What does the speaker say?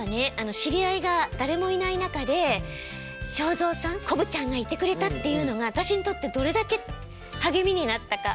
知り合いが誰もいない中で正蔵さんこぶちゃんがいてくれたっていうのが私にとってどれだけ励みになったか。